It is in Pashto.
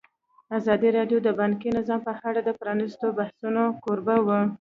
ازادي راډیو د بانکي نظام په اړه د پرانیستو بحثونو کوربه وه.